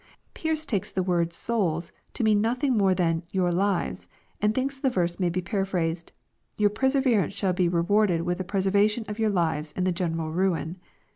Pearce takes the word " souls" to mean nothing more than " your lives," and thinks the verse may be paraphrased, " Your persever ance shall be rewarded with the preservation of your hves in the general ruin."